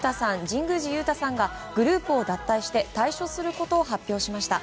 神宮寺勇太さんがグループを脱退して退所することを発表しました。